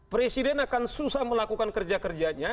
presiden akan susah melakukan kerja kerjanya